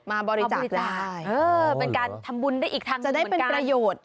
มาบริจาคได้เป็นการทำบุญได้อีกทางหนึ่งจะได้เป็นประโยชน์